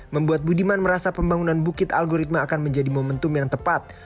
membuat budiman merasa pembangunan bukit algoritma akan menjadi momentum yang tepat